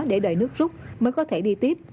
để đợi nước rút mới có thể đi tiếp